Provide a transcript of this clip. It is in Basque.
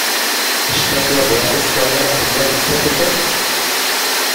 Estatua beharrezkoa da herri bat izateko?